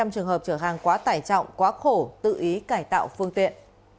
một trăm linh trường hợp chở hàng quá tải trọng quá khổ tự ý cải tạo phương tiện